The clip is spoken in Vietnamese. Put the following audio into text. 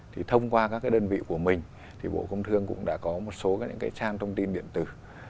thì thông qua các cái đơn vị của mình thì bộ công thương cũng đã có một số những cái trang thông tin điện tử